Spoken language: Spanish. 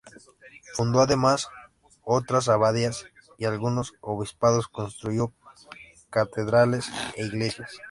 Fundó además otras abadías y algunos obispados, construyó catedrales e iglesias.